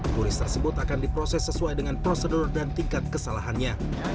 turis tersebut akan diproses sesuai dengan prosedur dan tingkat kesalahannya